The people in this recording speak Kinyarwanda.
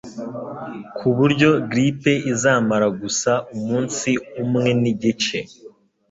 kuburyo grippe izamara gusa umunsi umwe n'igice